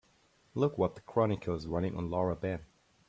Look what the Chronicle is running on Laura Ben.